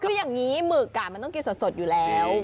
คืออย่างนี้หมึกมันต้องกินสดอยู่แล้ว